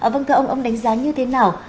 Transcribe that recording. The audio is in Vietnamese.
vâng thưa ông ông đánh giá như thế nào